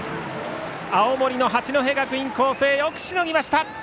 青森の八戸学院光星よくしのぎました！